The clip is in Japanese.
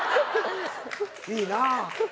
いいなぁ。